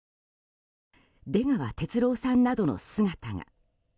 出川哲朗さんなどの姿が。